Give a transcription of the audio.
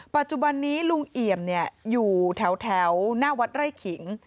ปัจจุบันนี้ลุงเอี่ยมอยู่แถวหน้าวัดไร่ขิง